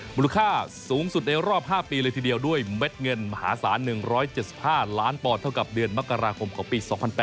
มูลค่าสูงสุดในรอบ๕ปีเลยทีเดียวด้วยเม็ดเงินมหาศาล๑๗๕ล้านปอนด์เท่ากับเดือนมกราคมของปี๒๐๐๘